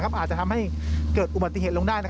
อาจจะทำให้เกิดอุบัติเหตุลงได้